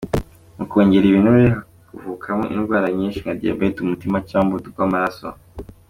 Mu kongera ibinure, havukamo indwara nyinshi nka diabete, umutima, cyangwa umuvuduko w’amaraso.